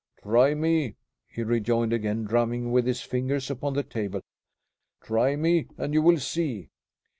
"Try me," he rejoined, again drumming with his fingers upon the table. "Try me, and you will see."